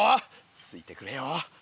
ついてくれよ。